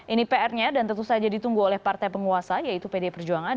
ini prnya dan tentu saja ditunggu oleh partai penguasa yaitu pd perjuangan